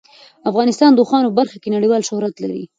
افغانستان د اوښانو په برخه کې نړیوال شهرت لري.